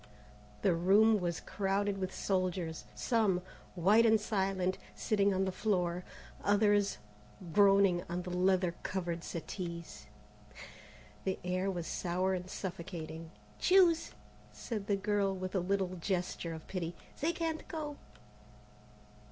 The room was crowded with soldiers, some, white and silent, sitting on the floor, others groaning on the leather covered settees. The air was sour and suffocating. "Choose!" said the girl with a little gesture of pity; "they can't go!"